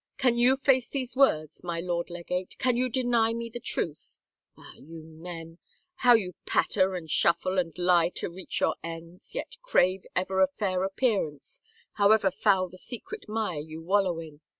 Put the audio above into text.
Can you face these words, my lord legate, can you deny me the truth? — Ah, you men, how you patter and shuffle and lie to reach your ends, yet crave ever a fair appearance, however foul the secret mire you wallow in